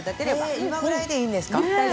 今ぐらいでいいんですか。